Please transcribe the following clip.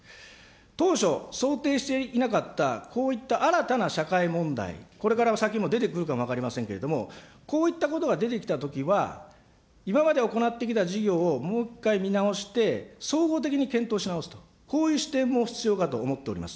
当初、想定してなかったこういった新たな社会問題、これから先も出てくるかも分かりませんけれども、こういったことが出てきた場合は、今まで行ってきた事業をもう一回見直して、総合的に検討し直すという、こういう視点も必要かと思っております。